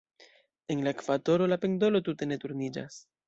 En la ekvatoro, la pendolo tute ne turniĝas.